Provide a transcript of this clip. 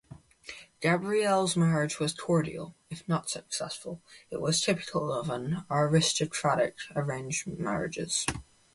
Gabrielle's marriage was cordial, if not successful; it was typical of aristocratic arranged marriages.